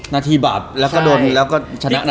นัดนั้นก็ดด